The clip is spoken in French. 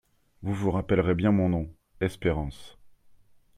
Vous vous rappellerez bien mon nom : Espérance.